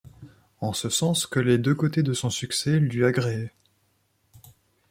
En ce sens que les deux côtés de son succès lui agréaient.